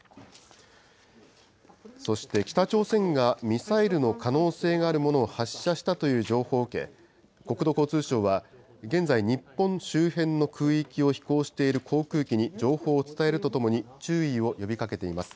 そして北朝鮮がミサイルの可能性があるものを発射したという情報を受け、国土交通省は現在、日本周辺の空域を飛行している航空機に情報を伝えるとともに、注意を呼びかけています。